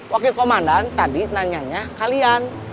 wakil komandan tadi nanyanya kalian